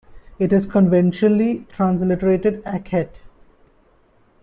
It is conventionally transliterated Akhet.